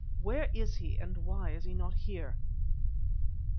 Where is he and why is he not here?"